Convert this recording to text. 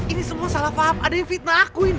ini semua salah paham ada yang fitnah aku ini